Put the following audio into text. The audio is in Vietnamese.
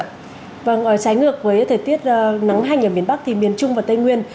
trái ngược với thời tiết nắng hanh ở miền bắc miền trung và tây nguyên